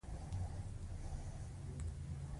سکلیټي عضلې په هډوکو پورې نښتي دي.